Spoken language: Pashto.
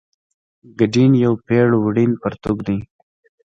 ګډین یو پېړ وړین پرتوګ دی.